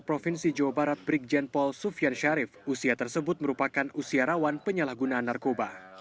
provinsi jawa barat brigjen paul sufian syarif usia tersebut merupakan usia rawan penyalahgunaan narkoba